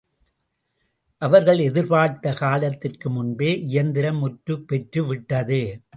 அவர்கள் எதிர்பார்த்த காலத்திற்கு முன்பே இயந்திரம் முற்றுப் பெற்றுவிட்டது.